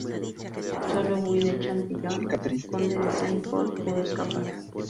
Sólo Guy de Châtillon, conde de Saint-Pol, pudo escapar.